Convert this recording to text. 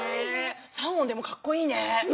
３音でもかっこいいね。